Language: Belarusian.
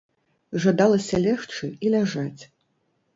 Жадалася легчы і ляжаць.